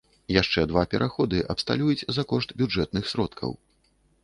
Яшчэ два пераходы абсталююць за кошт бюджэтных сродкаў.